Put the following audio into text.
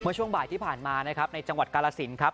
ช่วงบ่ายที่ผ่านมานะครับในจังหวัดกาลสินครับ